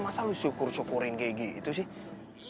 masa lu syukur syukurin kayak gitu sih